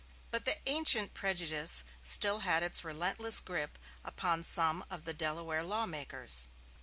But the ancient prejudice still had its relentless grip upon some of the Delaware law makers.